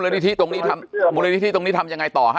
นิธิตรงนี้ทำมูลนิธิตรงนี้ทำยังไงต่อฮะ